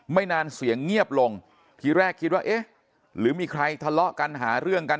ไม่นานเสียงเงียบลงทีแรกคิดว่าเอ๊ะหรือมีใครทะเลาะกันหาเรื่องกัน